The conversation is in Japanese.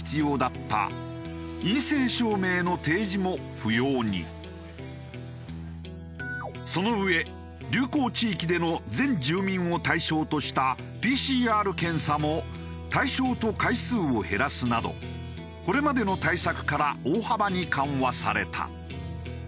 さらにその上流行地域での全住民を対象としたＰＣＲ検査も対象と回数を減らすなどこれまでの対策から大幅に緩和された。